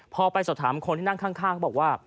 พอไปสอบถามคนที่นั่งข้างเขาบอกว่า